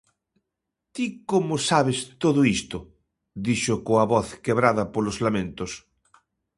"Ti como sabes todo isto?" – dixo coa voz quebrada polos lamentos.